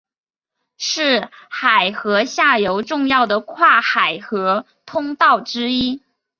是海河下游重要的跨海河通道之一。